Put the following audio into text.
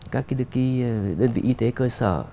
các đơn vị y tế cơ sở